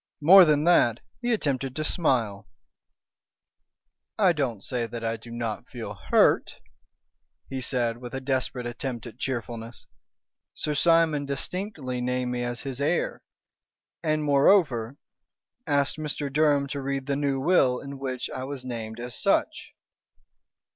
More than that, he attempted to smile. "I don't say that I do not feel hurt," he said, with a desperate attempt at cheerfulness. "Sir Simon distinctly named me as his heir, and, moreover, asked Mr. Durham to read the new will in which I was named as such."